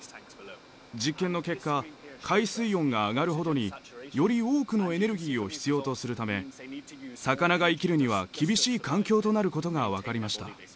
実験の結果海水温が上がるほどにより多くのエネルギーを必要とするため魚が生きるには厳しい環境となることが分かりました。